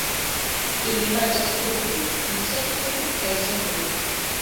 Ili manĝas fruktojn, insektojn kaj semojn.